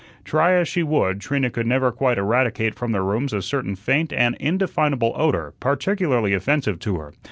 Try as she would, Trina could never quite eradicate from their rooms a certain faint and indefinable odor, particularly offensive to her.